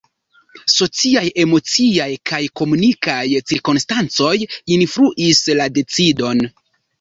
Sociaj, emociaj kaj komunikaj cirkonstancoj influis la decidon.